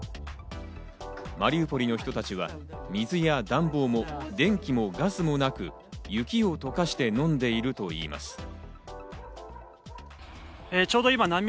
マリウポリの人たちは水や暖房も電気もガスもなく、雪を溶かして飲んでいるといいます。